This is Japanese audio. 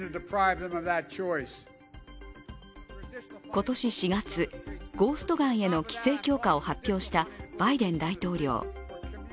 今年４月、ゴーストガンへの規制強化を発表したバイデン大統領。